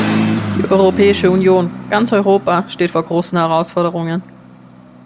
Die Europäische Union, ganz Europa, steht vor großen Herausforderungen.